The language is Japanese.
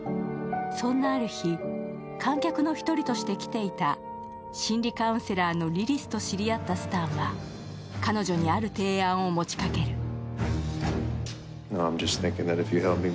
そんなある日、観客の１人として来ていた心理カウンセラーのリリスと知り合ったスタンは彼女に、ある提案を持ちかける。